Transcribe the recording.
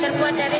apanya apa tadi